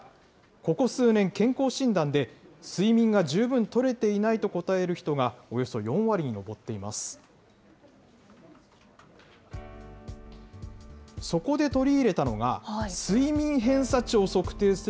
ここ数年、健康診断で睡眠が十分とれていないと答える人がおよそ４割に上っています。